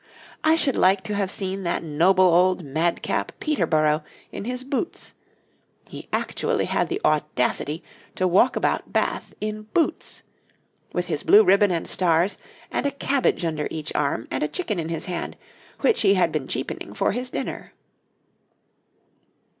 I should like to have seen that noble old madcap Peterborough in his boots (he actually had the audacity to walk about Bath in boots!), with his blue ribbon and stars, and a cabbage under each arm, and a chicken in his hand, which he had been cheapening for his dinner.'